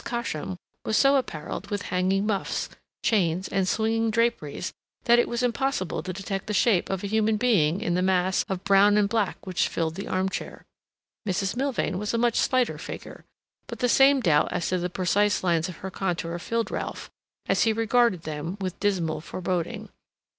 Cosham was so appareled with hanging muffs, chains, and swinging draperies that it was impossible to detect the shape of a human being in the mass of brown and black which filled the arm chair. Mrs. Milvain was a much slighter figure; but the same doubt as to the precise lines of her contour filled Ralph, as he regarded them, with dismal foreboding.